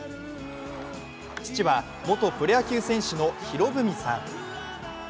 父は元プロ野球選手の博文さん。